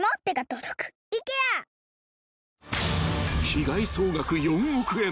［被害総額４億円